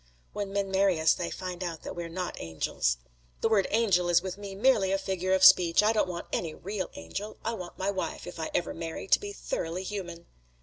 "When men marry us they find out that we're not angels." "The word 'angel' is with me merely a figure of speech. I don't want any real angel. I want my wife, if I ever marry, to be thoroughly human."